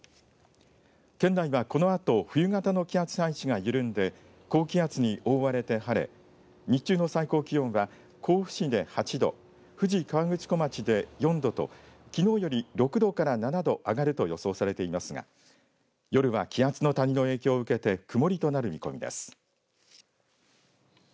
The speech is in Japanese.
県内はこのあと冬型の気圧配置が緩んで高気圧に覆われて晴れ日中の最高気温は甲府市で８度富士河口湖町で４度ときのうより６度から７度上がると予想されていますが夜は気圧の谷の影響を受けて曇りとなる見込みです。